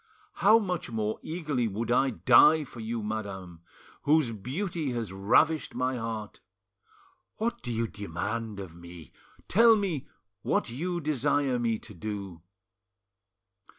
How much more eagerly would I die for you, madam, whose beauty has ravished my heart! What do you demand of me? Tell me what you desire me to do."